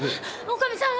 女将さんは！？